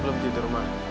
belum tidur ma